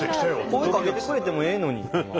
声かけてくれてもええのに。